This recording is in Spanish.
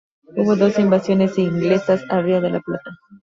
Hubo dos invasiones inglesas al Río de la Plata.